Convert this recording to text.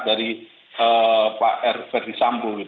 dari pak r ferdisambul